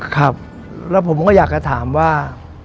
ครับแล้วผมก็อยากจะถามว่า